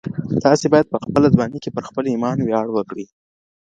تاسي باید په خپله ځواني کي پر خپل ایمان ویاړ وکړئ.